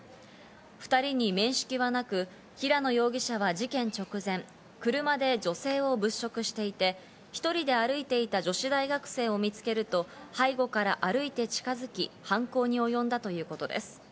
２人に面識はなく、平野容疑者は事件直前、車で女性を物色していて、１人で歩いていた女子大学生を見つけると、背後から歩いて近づき犯行におよんだということです。